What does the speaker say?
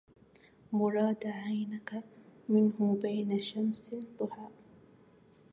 مراد عينك منه بين شمس ضحى